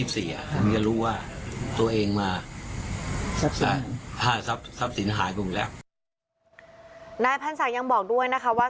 ผมก็รู้ว่าตัวเองมา